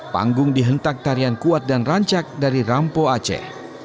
panggung dihentak tarian kuat dan rancak dari rampo aceh